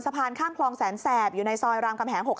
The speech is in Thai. สะพานข้ามคลองแสนแสบอยู่ในซอยรามกำแหง๖๖